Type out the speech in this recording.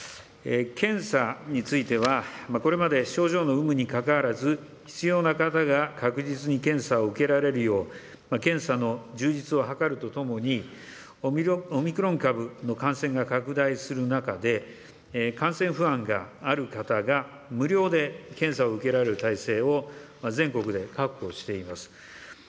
検査については、これまで症状の有無にかかわらず、必要な方が確実に検査を受けられるよう、検査の充実を図るとともに、オミクロン株の感染が拡大する中で、感染不安がある方が無料で検査を受けられる体制を、全国で確保しています。